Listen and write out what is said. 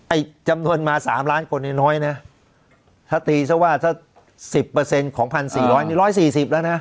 ไอ้จำนวนมา๓ล้านคนอย่างน้อยนะถ้าตีซะว่า๑๐เปอร์เซ็นต์ของ๑๔๐๐นี่๑๔๐แล้วนะ